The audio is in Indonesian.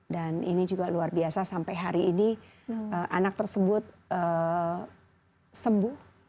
dan ini juga luar biasa sampai hari ini anak tersebut sembuh